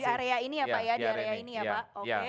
di area ini ya pak